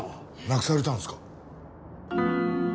なくされたんですか？